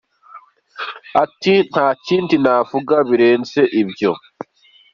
Ati “Nta kindi navuga kirenze ibyo.